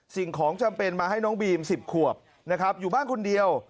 สิ่งของจำเป็นมาให้น้องบีม๑๐ขวบนะครับอยู่บ้านคนเดียว